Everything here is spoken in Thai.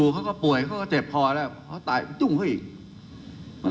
เขาก็ป่วยเขาก็เจ็บพอแล้วเขาตายจุ้งเขาอีก